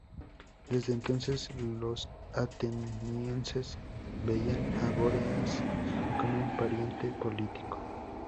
Desde entonces, los atenienses veían a Bóreas como un pariente político.